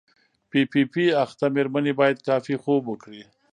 پی پي پي اخته مېرمنې باید کافي خوب وکړي.